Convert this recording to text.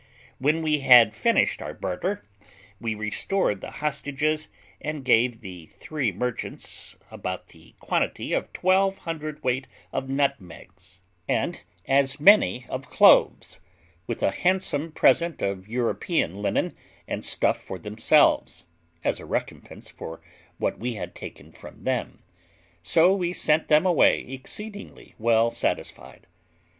When we had finished our barter, we restored the hostages, and gave the three merchants about the quantity of twelve hundredweight of nutmegs, and as many of cloves, with a handsome present of European linen and stuff for themselves, as a recompense for what we had taken from them; so we sent them away exceedingly well satisfied.